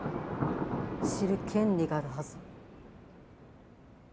知る権利があるはず。